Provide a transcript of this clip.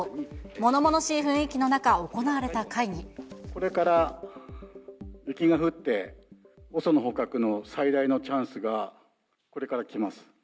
ものものしい雰囲気の中、行われこれから雪が降って、ＯＳＯの捕獲の最大のチャンスがこれから来ます。